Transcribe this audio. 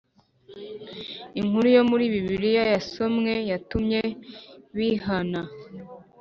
inkuru yo muri bibiliya yasomwe yatumye bihana